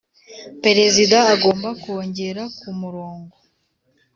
Perezida agomba kongera ku murongo